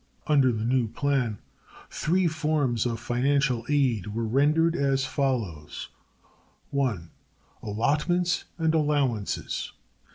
Under the new plan three forms of financial aid were rendered, as follows: 1. _Allotments and Allowances.